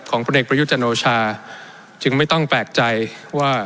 ของพระเด็กประยุทธจันโลชาจึงไม่ต้องแปลกใจว่า